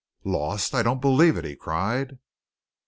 "Lost? I don't believe it!" he cried.